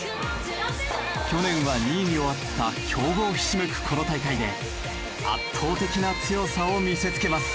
去年は２位に終わった強豪ひしめくこの大会で圧倒的な強さを見せつけます。